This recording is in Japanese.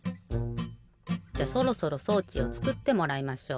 じゃそろそろ装置をつくってもらいましょう。